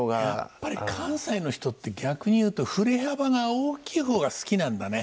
やっぱり関西の人って逆に言うと振り幅が大きい方が好きなんだね。